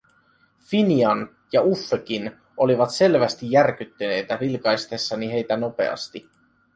Finian ja Uffekin olivat selvästi järkyttyneitä vilkaistessani heitä nopeasti.